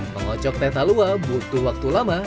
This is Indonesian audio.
mengocok teh talua butuh waktu lama